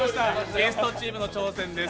ゲストチームの挑戦です。